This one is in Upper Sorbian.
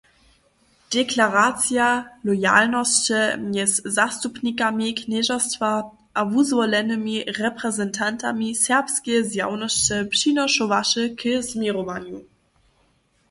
Deklaracija loyalnosće mjez zastupnikami knježerstwa a wuzwolenymi reprezentantami serbskeje zjawnosće přinošowaše k změrowanju.